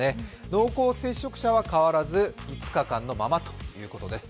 濃厚接触者は変わらず５日間のままということです。